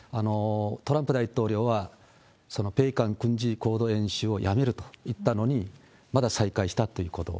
トランプ大統領は米韓軍事行動演習をやめるといったのに、また再開したということ。